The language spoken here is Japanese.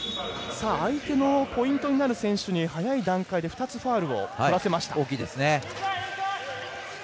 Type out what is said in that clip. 相手のポイントになる選手に早い段階で２つファウルとらせました。